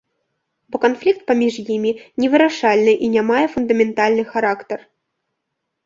Бо канфлікт паміж імі невырашальны і мае фундаментальны характар.